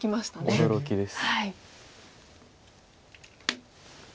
驚きです。